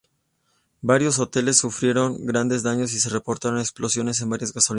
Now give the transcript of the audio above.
Varios hoteles sufrieron grandes daños y se reportaron explosiones en varias gasolineras.